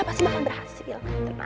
pasti bakalan berhasil